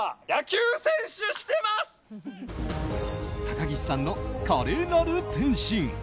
高岸さんの華麗なる転身。